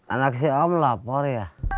anak saya om lapor ya